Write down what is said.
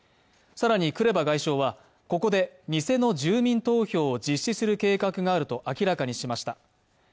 更に、クレバ外相は、ここで偽の住民投票を実施する計画があると明らかにしました。